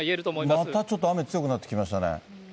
またちょっと雨強くなってきましたね。